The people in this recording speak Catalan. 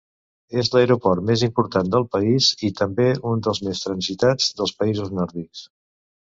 És l'aeroport més important del país, i també un dels més transitats dels països nòrdics.